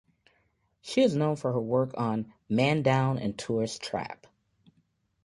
She is known for her work on "Man Down and Tourist Trap".